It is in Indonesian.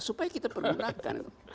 supaya kita pergunakan